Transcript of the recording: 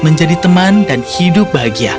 menjadi teman dan hidup bahagia